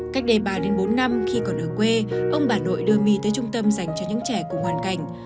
cách đề bà đến bốn năm khi còn ở quê ông bà nội đưa my tới trung tâm dành cho những trẻ cùng hoàn cảnh